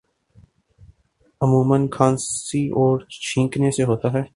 عموماً کھانسی اور چھینکنے سے ہوتا ہے